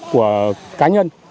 của cá nhân